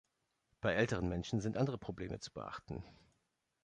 Bei älteren Menschen sind andere Probleme zu beachten.